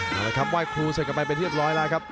เอาละครับไหว้ครูเสร็จกันไปเป็นเรียบร้อยแล้วครับ